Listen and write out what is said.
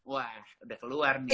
wah udah keluar nih